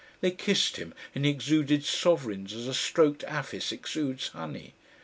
They kissed him and he exuded sovereigns as a stroked APHIS exudes honey.